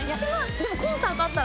でもコンサートあったら。